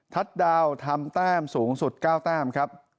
ดาวทำแต้มสูงสุด๙แต้มครับ